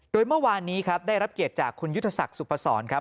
โดยเมื่อวานนี้ครับได้รับเกียรติจากคุณยุทธศักดิ์สุพศรครับ